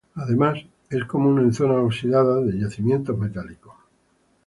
Además, es común en zonas oxidadas de yacimientos metálicos.